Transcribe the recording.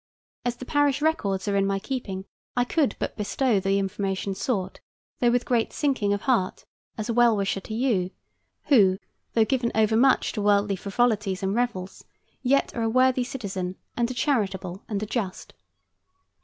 As the parish records are in my keeping, I could but bestow the information sought, although with great sinking of heart, as a well wisher to you, who, though given overmuch to worldly frivolities and revels, yet are a worthy citizen, and a charitable and a just.